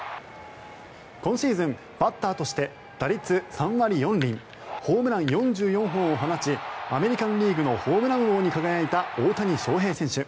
今シーズン、バッターとして打率３割４厘ホームラン４４本を放ちアメリカン・リーグのホームラン王に輝いた大谷翔平選手。